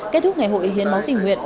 kết thúc ngày hội hiến máu tỉnh nguyện